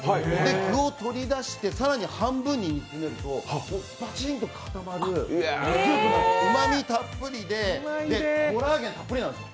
具を取り出して更に半分に煮込むとうまみたっぷりでコラーゲンたっぷりなんです